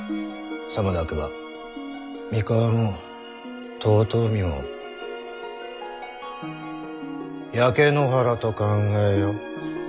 さもなくば三河も遠江も焼け野原と考えよ。